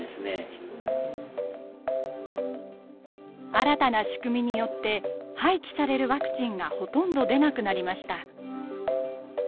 新たな仕組みによって廃棄されるワクチンがほとんど出なくなりました。